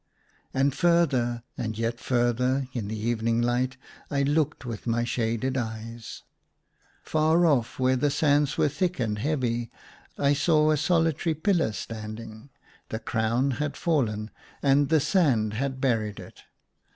And, further and yet further, in the evening light, I looked with my shaded eyes. Far off, where the sands were thick and heavy, I saw a solitary pillar stand ing : the crown had fallen, and the sand had buried it.